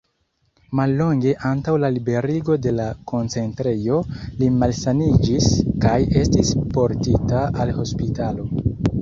Mallonge antaŭ la liberigo de la koncentrejo, li malsaniĝis kaj estis portita al hospitalo.